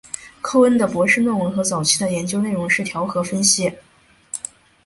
寇恩的博士论文和早期的研究内容是调和分析。